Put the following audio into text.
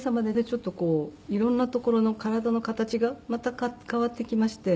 ちょっとこう色んな所の体の形がまた変わってきまして。